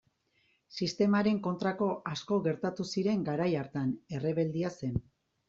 Sistemaren kontrako asko gertatu ziren garai hartan, errebeldia zen.